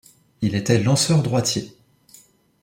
Il était lanceur droitier.